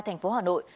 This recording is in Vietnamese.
thành phố hà nội